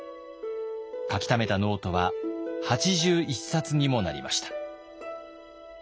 書きためたノートは８１冊にもなりました。